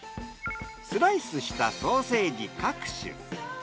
スライスしたソーセージ各種。